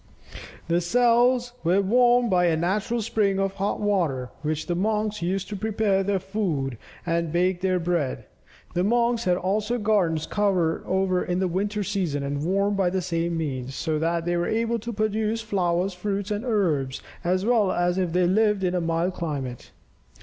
The cells were warmed by a natural spring of hot water, which the monks used to prepare their food and to bake their bread. The monks had also gardens covered over in the winter season, and warmed by the same means, so that they were able to produce flowers, fruits, and herbs as well as if they had lived in a mild climate."